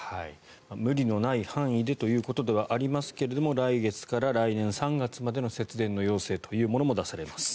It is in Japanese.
無理のない範囲でということではありますが来月から来年３月までの節電要請というものも出されます。